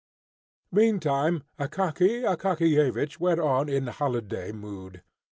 Meantime Akaky Akakiyevich went on in holiday mood.